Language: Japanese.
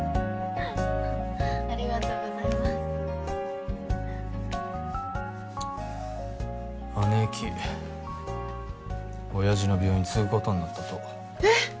ありがとうございます姉貴親父の病院継ぐことになったとえっ！